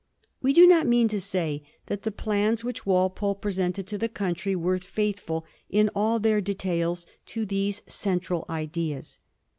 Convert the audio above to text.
We do not mean to say that the plans which Walpole presented to the country were faithful in all their details to these central ideas.